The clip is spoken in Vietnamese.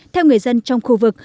theo người dân trong khu vực